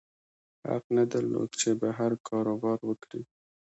حق نه درلود چې بهر کاروبار وکړي.